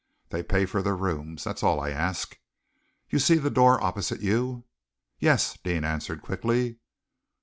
"They pay for their rooms. That is all I ask. You see the door opposite you?" "Yes!" Deane answered quickly.